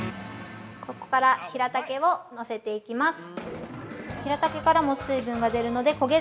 ここからひらたけをのせていきます。